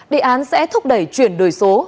địa án sẽ thúc đẩy chuyển đổi số